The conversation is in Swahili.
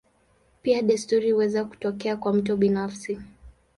Pia desturi huweza kutokea kwa mtu binafsi.